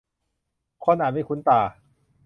คนอาจไม่คุ้นตา